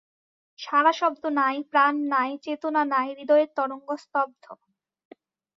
সাড়াশব্দ নাই, প্রাণ নাই, চেতনা নাই, হৃদয়ের তরঙ্গ স্তব্ধ।